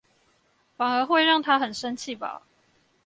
反而會讓他很生氣吧